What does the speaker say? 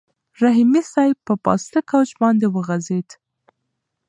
رحیمي صیب په پاسته کوچ باندې وغځېد.